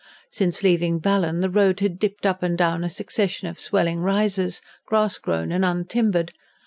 Since leaving Ballan the road had dipped up and down a succession of swelling rises, grass grown and untimbered.